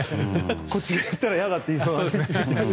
こっちが言ったら嫌だって言われそうなので。